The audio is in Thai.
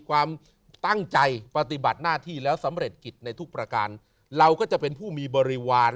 ความตั้งใจปฏิบัติหน้าที่แล้วสำเร็จกิจในทุกประการเราก็จะเป็นผู้มีบริวาร